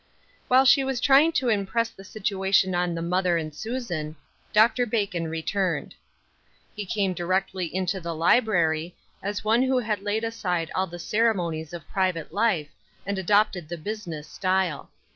While she was trying to impress the situation on the mother and Susan, Dr. Bacon returned. He came directly into the library, as one who had laid aside all the ceremonies of private life, 1S2 The Cross of Helplessness. 188 and adopted the business style.